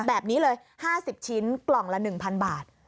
แบบนี้เลย๕๐ชิ้นกล่องละ๑๐๐บาท